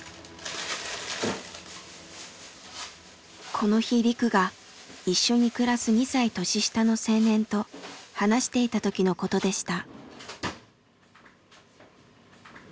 この日リクが一緒に暮らす２歳年下の青年と話していたときのことでした。